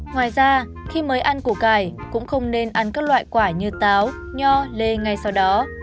ngoài ra khi mới ăn củ cải cũng không nên ăn các loại quả như táo nho lê ngay sau đó